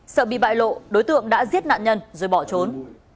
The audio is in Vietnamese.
sợ bị bại lộ đối tượng đã giết nạn nhân rồi bỏ trốn